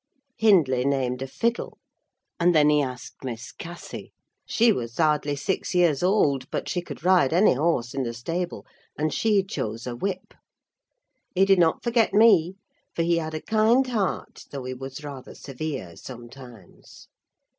Hindley named a fiddle, and then he asked Miss Cathy; she was hardly six years old, but she could ride any horse in the stable, and she chose a whip. He did not forget me; for he had a kind heart, though he was rather severe sometimes.